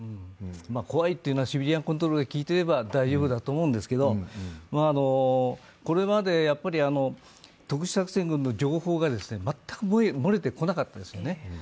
怖いというのはシビリアンコントロールが効いていれば大丈夫だと思うんですけどこれまで特殊作戦の情報が全く漏れてこなかったですよね。